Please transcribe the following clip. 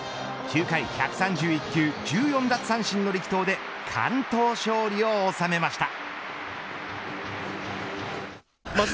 ９回１３１球１４奪三振の力投で完投勝利を収めました。